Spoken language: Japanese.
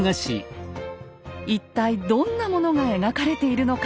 一体どんなものが描かれているのか。